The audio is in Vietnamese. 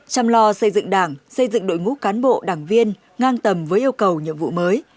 chăm lo xây dựng đảng xây dựng đội ngũ cán bộ đảng viên ngang tầm với yêu cầu nhiệm vụ mới